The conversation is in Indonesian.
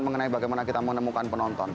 mengenai bagaimana kita menemukan penonton